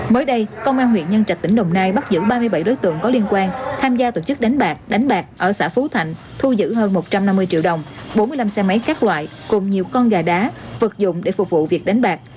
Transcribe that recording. mới đây công an huyện nhân trạch tỉnh đồng nai bắt giữ ba mươi bảy đối tượng có liên quan tham gia tổ chức đánh bạc đánh bạc ở xã phú thạnh thu giữ hơn một trăm năm mươi triệu đồng bốn mươi năm xe máy các loại cùng nhiều con gà đá vật dụng để phục vụ việc đánh bạc